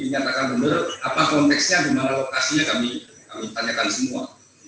dinyatakan benar apa konteksnya gimana lokasinya kami tanyakan semua